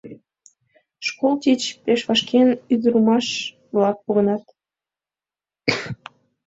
Школ тич, пеш вашкен, ӱдырамаш-влак погынат.